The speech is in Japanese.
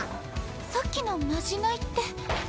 さっきのまじないって。